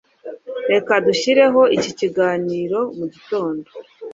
Reka dushyireho iki kiganiro mu gotondo.